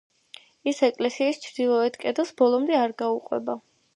ის ეკლესიის ჩრდილოეთ კედელს ბოლომდე არ გაუყვება.